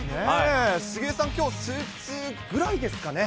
杉江さん、きょう、スーツぐらいですかね。